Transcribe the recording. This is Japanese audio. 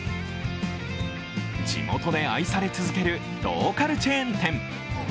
地元で愛され続けるローカルチェーン店。